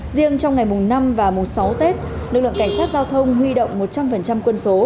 riêng trong ngày mùng năm và mùng sáu tết lực lượng cảnh sát giao thông huy động một trăm linh quân số